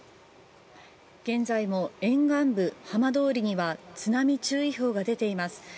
現在も沿岸部浜通りには津波注意報が出ています。